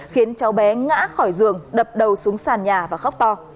khiến cháu bé ngã khỏi giường đập đầu xuống sàn nhà và khóc to